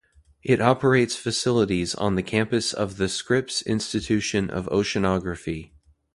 It operates facilities on the campus of the Scripps Institution of Oceanography.